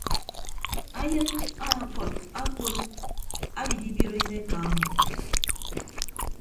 Ayịn ọkọd akpon adidibiot ayịn eka ọmọ.